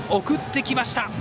送ってきました。